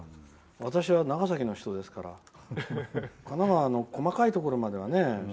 私は長崎の人ですから神奈川の細かいことまでは。